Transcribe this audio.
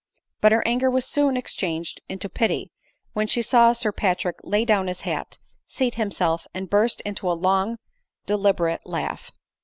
But her anger was soon changed into pity, when she saw Sir Patrick lay down his hat, seat himself, and burst into a long, deliberate laugh.